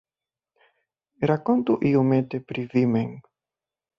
Rakontu iomete pri vi mem.